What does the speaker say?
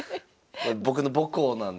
僕の母校なんで。